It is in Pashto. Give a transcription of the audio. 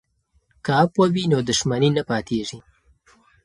که عفوه وي نو دښمني نه پاتیږي.